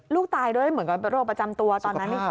ตายด้วยเหมือนกับเป็นโรคประจำตัวตอนนั้น